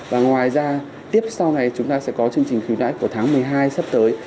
và ngoài ra tiếp sau này chúng ta sẽ có chương trình khuyến mãi của tháng một mươi hai sắp tới